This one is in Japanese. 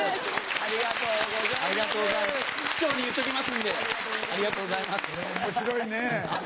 ありがとうございます。